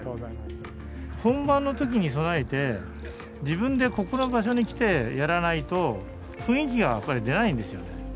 本番の時に備えて自分でここの場所に来てやらないと雰囲気がやっぱり出ないんですよね。